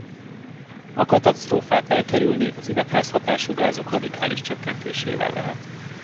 A katasztrófát elkerülni az üvegházhatású gázok radikális csökkentésével lehet.